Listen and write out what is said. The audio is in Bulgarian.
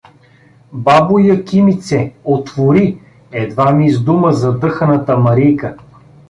— Бабо Якимице, отвори — едвам издума задъханата Марийка.